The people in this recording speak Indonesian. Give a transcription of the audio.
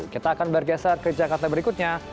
kita akan bergeser ke jakarta berikutnya